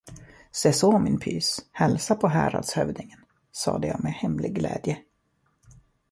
Seså, min pys, hälsa på häradshövdingen! sade jag med hemlig glädje.